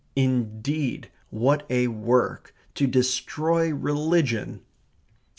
Indeed, what a work to destroy religion!